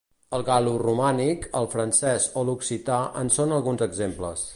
El gal·loromànic, el francès o l’occità en són alguns exemples.